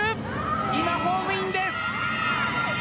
今、ホームインです。